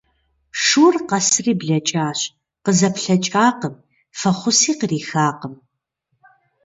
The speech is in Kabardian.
Шур къэсри блэкӏащ, къызэплъэкӏакъым, фӏэхъуси кърихакъым.